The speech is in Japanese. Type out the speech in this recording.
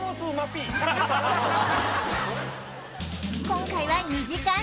今回は２時間